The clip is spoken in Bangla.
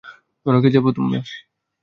নরকে যাবে তোমরা!